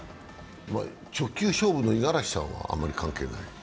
直球勝負の五十嵐さんは、あまり関係ない？